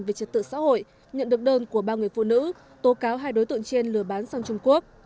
về trật tự xã hội nhận được đơn của ba người phụ nữ tố cáo hai đối tượng trên lừa bán sang trung quốc